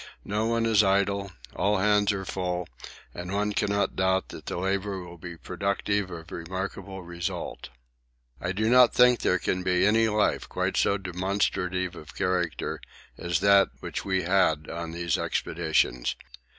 No one is idle all hands are full, and one cannot doubt that the labour will be productive of remarkable result. I do not think there can be any life quite so demonstrative of character as that which we had on these expeditions.